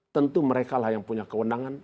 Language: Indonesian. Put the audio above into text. tentu mereka lah yang punya kewenangan